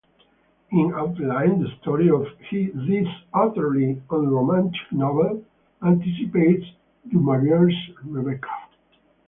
In outline the story of this utterly unromantic novel anticipates DuMaurier's Rebecca.